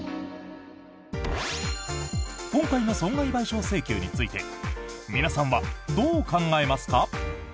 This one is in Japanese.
今回の損害賠償請求について皆さんはどう考えますか？